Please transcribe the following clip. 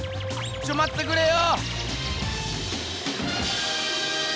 ちょっまってくれよ。